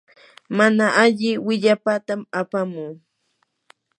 mana alli willapatam apamuu.